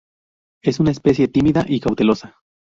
Es una especie tímida y cautelosa.